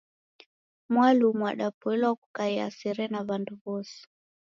Mwalumu wadapoilwa kukaia sere na wandu wose